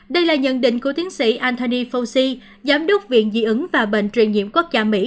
đây là nhận định của tiến sĩ anthony fauci giám đốc viện dị ứng và bệnh truyền nhiễm quốc gia mỹ